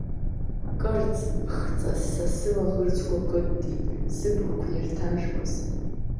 Кырцхҵас са сылаӷырӡқәа хыддит, сыблақәа ирҭажәуаз.